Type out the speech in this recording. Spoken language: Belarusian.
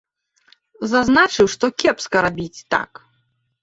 Зазначыў, што кепска рабіць так.